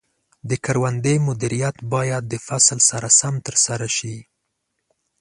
د کروندې مدیریت باید د فصل سره سم ترسره شي.